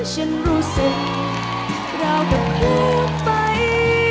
ฉันรู้สึกราวกับความไป